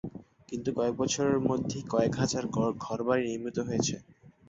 কিন্তু কয়েক বছরের মধ্যেই কয়েক হাজার ঘর-বাড়ি নির্মিত হয়েছে।